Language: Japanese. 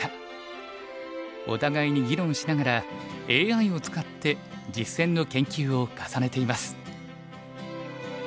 お互いに議論しながらＡＩを使って実戦の研究を重ねています。